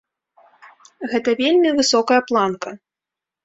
Гэта вельмі высокая планка.